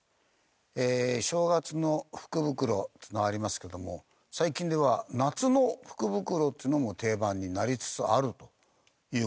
ええ正月の福袋っていうのがありますけども最近では夏の福袋っていうのも定番になりつつあるという事らしいです。